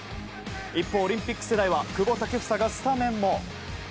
一方オリンピック世代は久保建英がスタメンも。